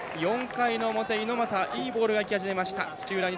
４回の表、猪俣いいボールが来始めました。